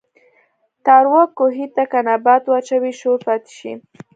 تاروۀ کوهي ته کۀ نبات واچوې شور پاتې شي